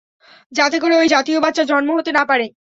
যাতে করে ঐ জাতীয় বাচ্চা জন্ম হতে না পারে।